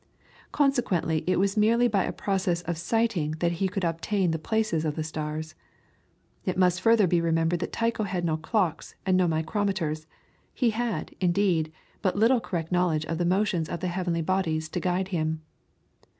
Consequently it was merely by a process of sighting that he could obtain the places of the stars. It must further be remembered that Tycho had no clocks, and no micrometers. He had, indeed, but little correct knowledge of the motions of the heavenly bodies to guide him.